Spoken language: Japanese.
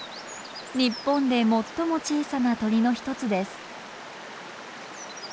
日本で最も小さな鳥の一つです。